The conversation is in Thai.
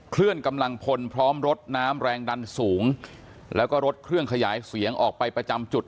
เคลื่อนกำลังพลพร้อมรถน้ำแรงดันสูงแล้วก็รถเครื่องขยายเสียงออกไปประจำจุด